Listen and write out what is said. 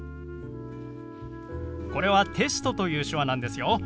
これは「テスト」という手話なんですよ。